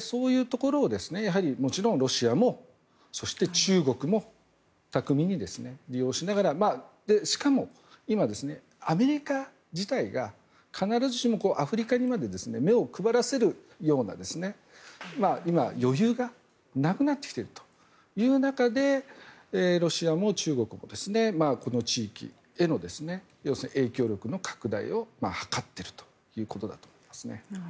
そういうところをもちろん、ロシアもそして、中国も巧みに利用しながらしかも今、アフリカ自体が必ずしもアフリカにまで目を配らせるような今、余裕がなくなってきているという中でロシアも中国もこの地域への影響力の拡大を図っているということですね。